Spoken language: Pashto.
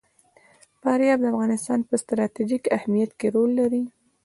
فاریاب د افغانستان په ستراتیژیک اهمیت کې رول لري.